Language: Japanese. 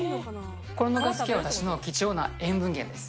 このぬか漬けは私の貴重な塩分源です。